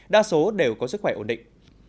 đa số đều có sức khỏe ổn định